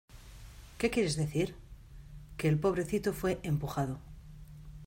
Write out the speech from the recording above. ¿ Qué quieres decir? Que el pobrecito fue empujado...